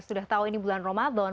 sudah tahu ini bulan ramadan